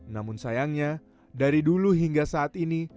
namun sayangnya dari dulu hingga saat ini